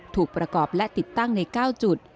ถูกประกอบและติดตั้งใน๙จุด